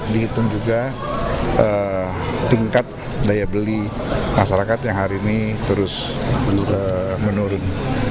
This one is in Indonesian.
dihitung juga tingkat daya beli masyarakat yang hari ini terus menurun